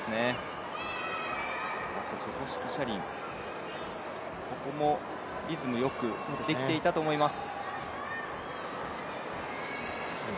チェコ式車輪、ここもリズムよくできていたと思います。